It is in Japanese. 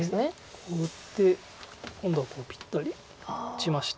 ここに打って今度はぴったり打ちまして。